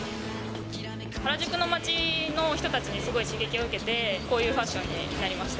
原宿の街の人たちにすごい刺激を受けて、こういうファッションになりました。